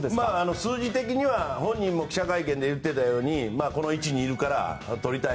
数字的には本人も記者会見で言っていたようにこの位置にいるからとりたい。